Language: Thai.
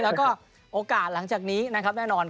และโอกาสลากจากนี้นะคะแน่นอน